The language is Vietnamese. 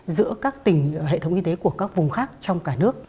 giữa các tỉnh hệ thống y tế của các vùng khác trong cả nước